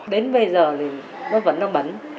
đến bây giờ thì nó vẫn nóng bẩn